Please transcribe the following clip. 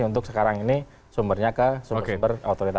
untuk sekarang ini sumbernya ke sumber sumber otoritas